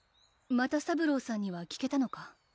又三郎さんには聞けたのか？